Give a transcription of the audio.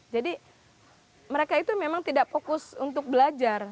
jadi mereka itu memang tidak fokus untuk belajar